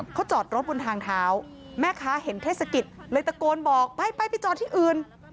เขาจอดรถบนทางเท้าแม่ค้าเห็นเทศกิจเลยตะโกนบอกไปไปจอดที่อื่น